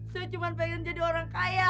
saya cuma pengen jadi orang kaya